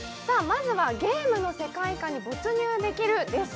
まずは「ゲームの世界観に没入できる」です